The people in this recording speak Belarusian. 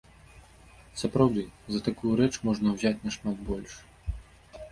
Сапраўды, за такую рэч можна ўзяць нашмат больш.